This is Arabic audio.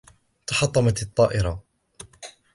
تحطمت الطائرة.